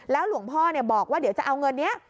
หลวงพ่อบอกว่าเดี๋ยวจะเอาเงินนี้